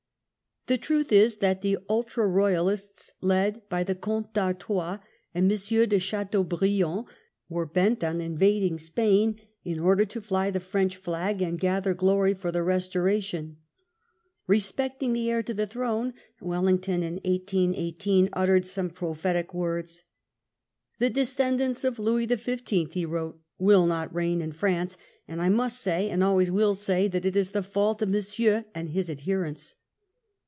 The truth is that the "Ultra Eoyalists," led by the Comte d'Artois and M. de Chateau briand, were bent on invading Spain in order to fly the French flag and gather glory for the Eestoration. Ee specting the heir to the throne, Wellington in 1818 uttered some prophetic words. "The descendants of Louis the Fifteenth," he wrote, "will not reign in France ; and I must say, and always will say, that it is the fault of Monsieur and his adherents."